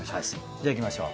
じゃあいきましょう。